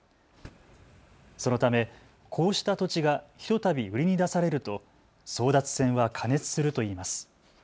そのため、こうした土地がひとたび売りに出されると争奪戦は過熱するといいます。